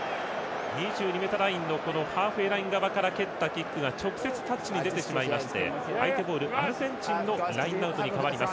２２ｍラインのハーフウェーライン側から蹴ったキックが直接タッチに出てしまいましてアルゼンチンのラインアウトに変わります。